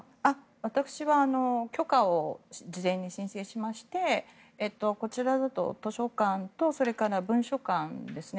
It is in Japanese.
私は許可を事前に申請しましてこちらだと図書館と文書館ですね。